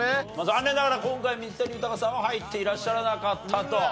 残念ながら今回水谷豊さんは入っていらっしゃらなかったと。